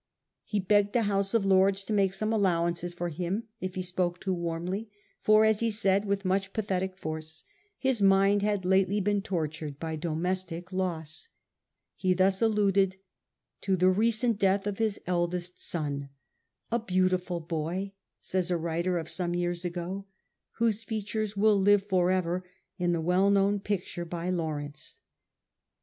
He begged the House of Lords to make some allowance for him if he had spoken too warmly ; for, as he said with much pathetic force, his mind had lately been tortured by domestic loss. He thus alluded to the recent death of his eldest son — c a beautiful boy,' says a writer of some years ago, 1 whose features will live for ever in the well known picture by Lawrence.